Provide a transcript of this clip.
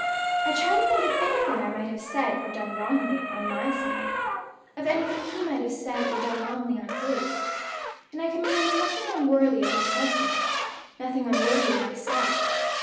I try to think of anything I might have said or done wrongly, on my side of anything he might have said or done wrongly, on his; and I can remember nothing unworthy of my husband, nothing unworthy of myself.